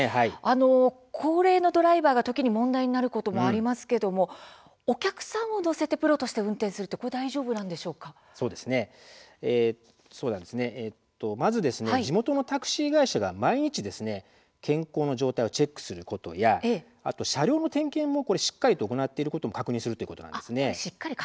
高齢のドライバーは時に問題になることがありますけれどもお客さんを乗せてプロとして運転するまず地元のタクシー会社が毎日、健康の状態をチェックすることや車両の点検を、しっかりと行っているかも確認するということなんです。